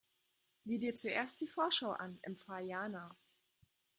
Sieh dir zuerst die Vorschau an, empfahl Jana.